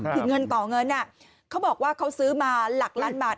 คือเงินต่อเงินเขาบอกว่าเขาซื้อมาหลักล้านบาท